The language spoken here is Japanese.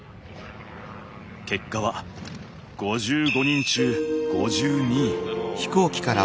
結果は５５人中５２位。